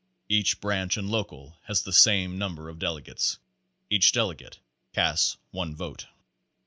Each branch and local has the same number of dele gates. Each delegate casts one vote.